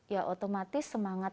ya otomatis semangat